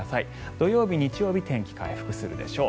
土曜日、日曜日天気回復するでしょう。